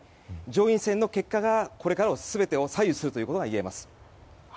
上院選の結果がこれからの全てを左右するということが言えます。